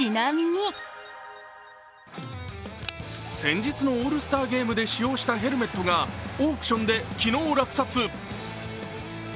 先日のオールスターゲームで使用したヘルメットがオークションで昨日落札。